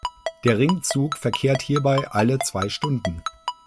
Der Ringzug verkehrt hierbei alle zwei Stunden.